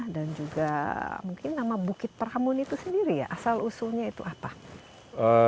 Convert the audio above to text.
dan juga mungkin nama bukit peramun itu sendiri ya asal usulnya itu apa